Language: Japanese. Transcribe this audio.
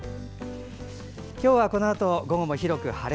今日はこのあと午後も広く晴れ。